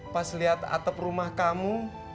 pas lihat atap rumah kamu